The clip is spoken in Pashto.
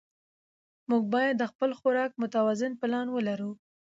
موږ باید د خپل خوراک متوازن پلان ولرو